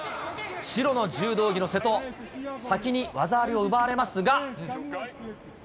白の柔道着の瀬戸、先に技ありを奪われますが。